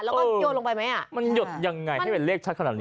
แล้วก็โยนลงไปไหมอ่ะมันหยดยังไงให้เป็นเลขชัดขนาดนี้